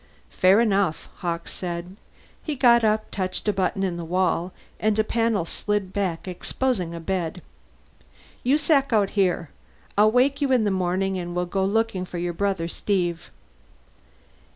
"Fair enough," Hawkes said. He got up, touched a button in the wall, and a panel slid back, exposing a bed. "You sack out here. I'll wake you in the morning and we'll go looking for your brother Steve."